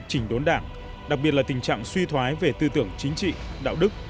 chỉnh đốn đảng đặc biệt là tình trạng suy thoái về tư tưởng chính trị đạo đức